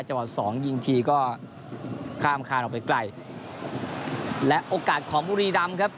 จังหวัดสองยิงทีก็ข้ามคานออกไปไกลและโอกาสของบุรีรำครับ